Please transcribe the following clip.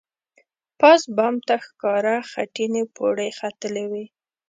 پاس بام ته ښکاره خټینې پوړۍ ختلې وې.